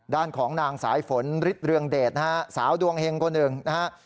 ด้านของนางสายฝนฤทธเรืองเดชนะฮะสาวดวงเฮงคนหนึ่งนะฮะ